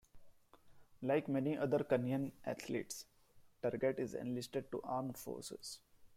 Like many other Kenyan athletes, Tergat is enlisted to Armed Forces.